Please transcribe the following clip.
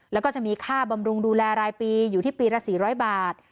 แล้วก็จะมีค่าบำรุงดูแลรายปีอยู่ที่ปีละ๔๐๐บาท